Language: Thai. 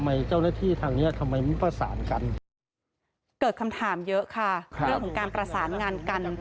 เรื่องของการประสานงานกัน